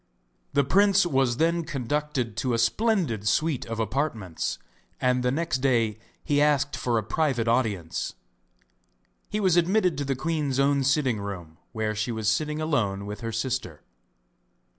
The prince was then conducted to a splendid suite of apartments, and the next day he asked for a private audience. He was admitted to the queen's own sitting room, where she was sitting alone with her sister.